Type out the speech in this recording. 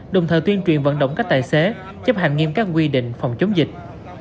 đồng thời tuyên truyền vận động các tài xế chấp hành nghiêm các quy định phòng chống dịch